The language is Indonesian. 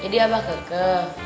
jadi abah keke